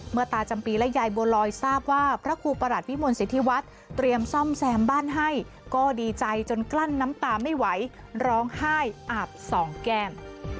ตาจำปีและยายบัวลอยทราบว่าพระครูประหลัดวิมลสิทธิวัฒน์เตรียมซ่อมแซมบ้านให้ก็ดีใจจนกลั้นน้ำตาไม่ไหวร้องไห้อาบสองแก้ม